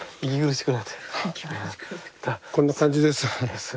こんな感じです。